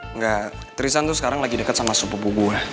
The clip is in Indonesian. enggak tristan tuh sekarang lagi deket sama sepupu gue